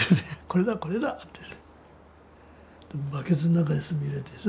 これだこれだって。